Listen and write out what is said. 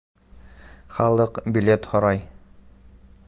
Халыҡ билет һорай!